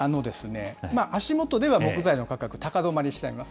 足元では木材の価格、高止まりしています。